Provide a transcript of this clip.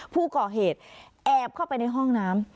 ผู้ก่อเหตุแอบเข้าไปในห้องน้ำ